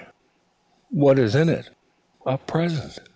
"What's in it?" "A present."